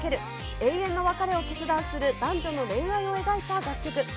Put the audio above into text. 永遠の別れを決断する男女の恋愛を描いた楽曲。